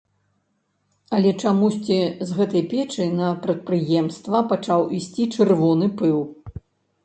Але чамусьці з гэтай печы на прадпрыемства пачаў ісці чырвоны пыл.